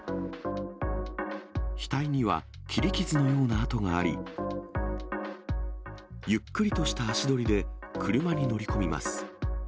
額には切り傷のような痕があり、ゆっくりとした足取りで車に乗り込みます。